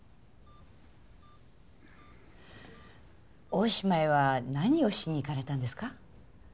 大島へは何をしに行かれたんですか？